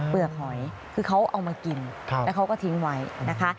กหอยคือเขาเอามากินแล้วเขาก็ทิ้งไว้นะคะ